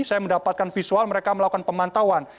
saya mendapatkan visual mereka melakukan pemantauan